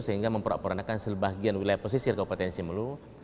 sehingga memperapornakan sebagian wilayah pesisir kepulauan simelu